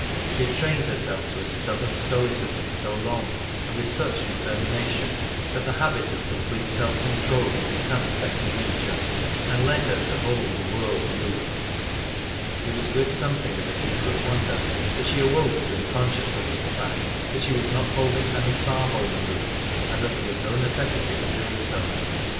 She had trained hei self to a stubborn stoi cism so long, and with such determination, that the habit of complete self control had become a second nature, and led her to hold the world aloof. It was with something of secret wonder that she awoke to the con sciousness of the fact that she was not holding Anice Bar holm aloof, and that there was no necessity for doing so.